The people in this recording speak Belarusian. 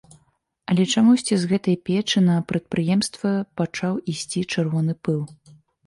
Але чамусьці з гэтай печы на прадпрыемства пачаў ісці чырвоны пыл.